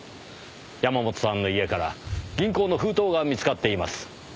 山本さんの家から銀行の封筒が見つかっています。